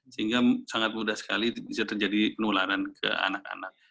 sehingga sangat mudah sekali bisa terjadi penularan ke anak anak